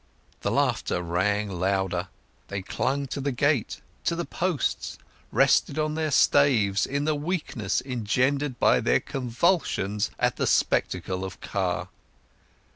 The laughter rang louder; they clung to the gate, to the posts, rested on their staves, in the weakness engendered by their convulsions at the spectacle of Car.